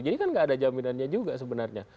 jadi kan tidak ada jaminannya juga sebenarnya